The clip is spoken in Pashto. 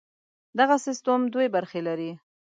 دغه سیستم دوې برخې لري.